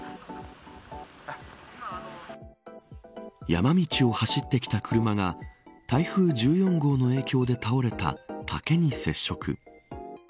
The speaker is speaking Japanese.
山道を走ってきた車が台風１４号の影響で倒れた竹に接触。